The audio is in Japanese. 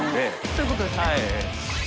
そういうことですね。